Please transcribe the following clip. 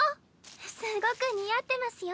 すごく似合ってますよ。